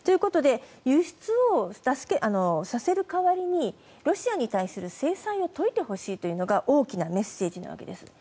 輸出をさせる代わりにロシアに対する制裁を解いてほしいというのが大きなメッセージなわけです。